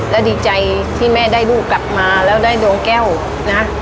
และดีใจที่แม่ได้ลูกกลับมาแล้วได้ดวงแก้วนะ